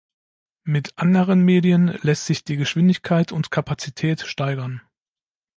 Mit anderen Medien lässt sich die Geschwindigkeit und Kapazität steigern.